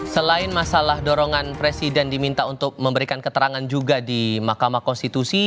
selain masalah dorongan presiden diminta untuk memberikan keterangan juga di mahkamah konstitusi